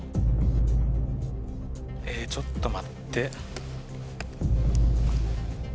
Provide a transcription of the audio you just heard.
ちょっと待って。